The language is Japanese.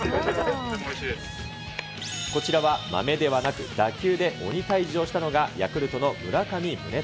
こちらは豆ではなく、打球で鬼退治をしたのがヤクルトの村上宗隆。